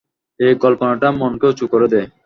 এই কল্পনাটাই মনকে উঁচু করে দেয়।